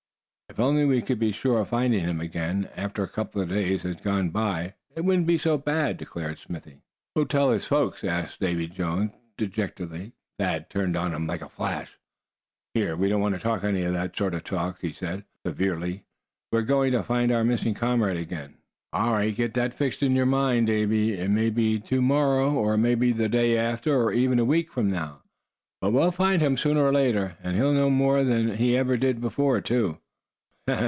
"If only we could be sure of finding him again, after a couple of days had gone by, it wouldn't be so bad," declared Smithy. "Who'll tell his folks?" asked Davy Jones, dejectedly. Thad turned on him like a flash. "Here, we don't want any of that sort of talk," he said, severely. "We're going to find our missing comrade again, all right. Get that fixed in your mind, Davy. It may be to morrow, or the day after, or even a week from now, but we'll find him sooner or later, and he'll know more than he ever did before, too."